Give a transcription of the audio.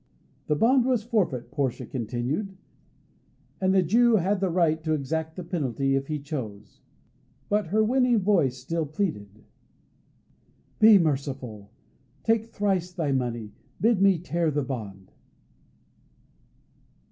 The bond was forfeit, Portia continued, and the Jew had the right to exact the penalty if he chose. But her winning voice still pleaded: "Be merciful! Take thrice thy money, bid me tear the bond."